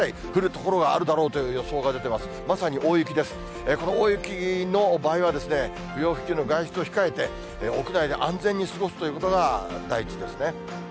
この大雪の場合は、不要不急の外出を控えて、屋内で安全に過ごすということが第一ですね。